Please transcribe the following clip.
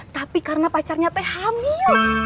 tapi karena pacarnya teh hamil